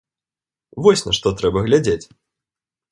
Вось на што трэба глядзець!